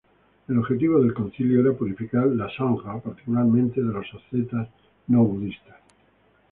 El objetivo del concilio era purificar la sangha, particularmente de los ascetas no budistas.